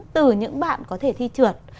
từ những bạn có thể thi trượt